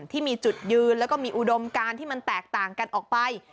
ที่มีจุดยืนแล้วก็มีอุดมการที่มันแตกต่างกันออกไป